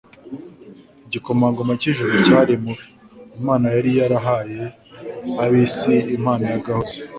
Igikomangoma cy'ijuru cyari mu be; Imana yari yarahaye ab'isi impano y'agahozo.